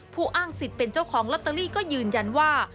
อ้างสิทธิ์เป็นเจ้าของลอตเตอรี่ก็ยืนยันว่า